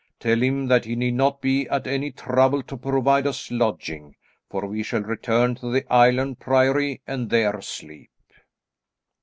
Tell him that he need not be at any trouble to provide us lodging, for we shall return to the Island Priory and there sleep."